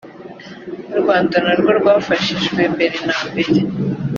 Rwanda narwo rwafashijwe mbere na mbere